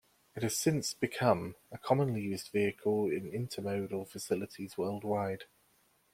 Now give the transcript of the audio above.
It has since become a commonly used vehicle in intermodal facilities worldwide.